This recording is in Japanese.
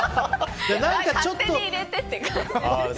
勝手に入れてって感じですね。